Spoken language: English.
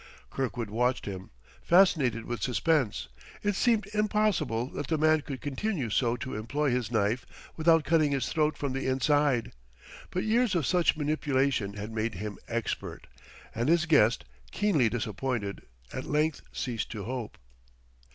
Kirkwood watched him, fascinated with suspense; it seemed impossible that the man could continue so to employ his knife without cutting his throat from the inside. But years of such manipulation had made him expert, and his guest, keenly disappointed, at length ceased to hope.